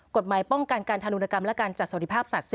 กฎหมายป้องกันการธนุนกรรมและการจัดสวัสดิภาพสัตว